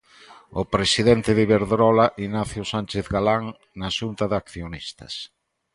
O presidente de Iberdrola, Ignacio Sánchez Galán, na Xunta de Accionistas.